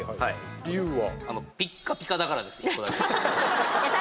理由は？